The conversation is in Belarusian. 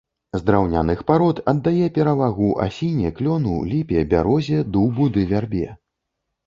З драўняных парод аддае перавагу асіне, клёну, ліпе, бярозе, дубу ды вярбе.